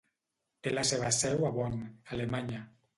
Té la seva seu a Bonn, Alemanya.